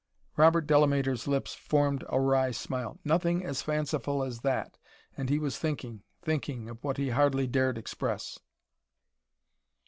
Robert Delamater's lips formed a wry smile. "Nothing at fanciful as that" and he was thinking, thinking of what he hardly dared express.